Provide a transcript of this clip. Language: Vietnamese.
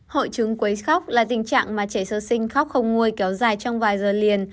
hội chứng quấy khóc là tình trạng mà trẻ sơ sinh khóc không nguôi kéo dài trong vài giờ liền